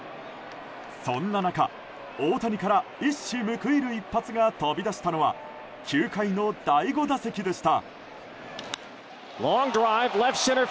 そんな中、大谷から一矢報いる一発が飛び出したのは９回の第５打席でした。